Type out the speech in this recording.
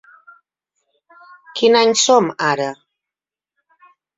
Quin any som, ara?